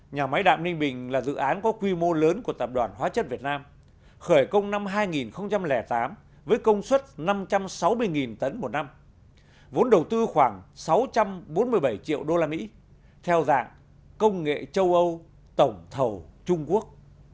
nhà máy đạm ninh bình là dự án có quy mô lớn của tập đoàn hóa chất việt nam khởi công năm hai nghìn tám với công suất năm trăm sáu mươi tấn một năm vốn đầu tư khoảng sáu trăm bốn mươi bảy triệu usd theo dạng công nghệ châu âu tổng thầu trung quốc